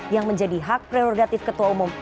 yang menjadi hak prerogatif ketua umum